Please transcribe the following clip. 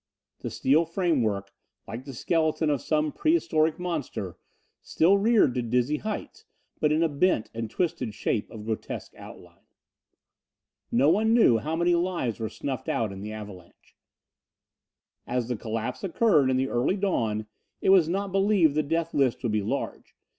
The steel framework, like the skeleton of some prehistoric monster, still reared to dizzy heights but in a bent and twisted shape of grotesque outline. No one knew how many lives were snuffed out in the avalanche. As the collapse occurred in the early dawn it was not believed the death list would be large.